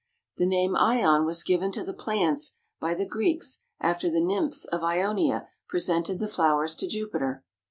The name Ion was given to the plants by the Greeks after the nymphs of Ionia presented the flowers to Jupiter.